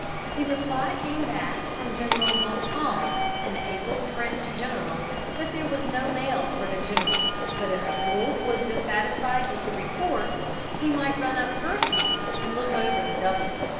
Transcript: The reply came back from General Montcalm, an able French general, that there was no mail for the general, but if Wolfe was dissatisfied with the report he might run up personally and look over the W's.